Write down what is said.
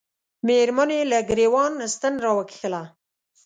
مېرمنې یې له ګرېوان ستن را وکښله.